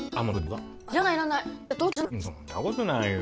そんなことないよ。